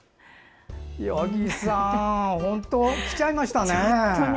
八木さん、本当きちゃいましたね。